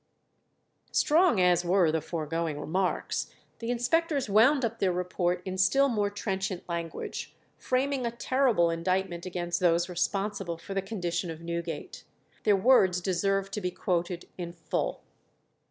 Strong as were the foregoing remarks, the inspectors wound up their report in still more trenchant language, framing a terrible indictment against those responsible for the condition of Newgate. Their words deserve to be quoted in full.